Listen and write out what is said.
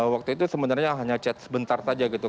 waktu itu sebenarnya hanya chat sebentar saja gitu